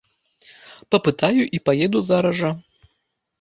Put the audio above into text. Папытаю і паеду зараз жа.